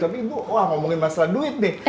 tapi ibu wah ngomongin masalah duit deh